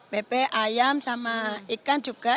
bebek ayam sama ikan juga